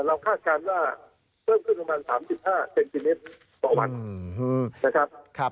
เราคาดการณ์ว่าเพิ่มขึ้นมันประมาณ๓๕เซ็นติเมตรกับวัน